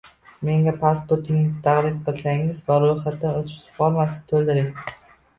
Menga pasportingizni taqdim qilsangiz va ro'yxatdan o'tish formasini to'ldiring.